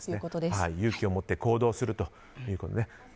勇気を持って行動をするということでね。